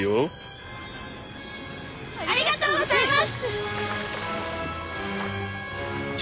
ありがとうございます。